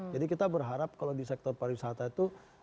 jadi kita berharap kalau di sektor pariwisata itu